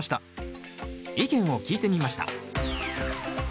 意見を聞いてみました。